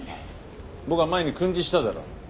僕が前に訓示しただろう。